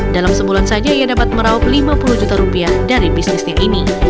dalam sebulan saja ia dapat meraup lima puluh juta rupiah dari bisnisnya ini